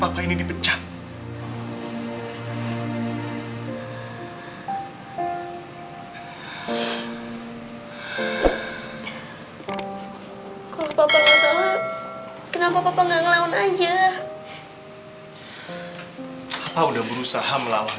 apa ini dipecat kalau papa nggak salah kenapa papa nggak ngelawan aja papa udah berusaha melawan